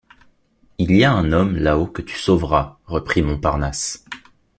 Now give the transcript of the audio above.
Il y a un homme là-haut que tu sauveras, reprit Montparnasse.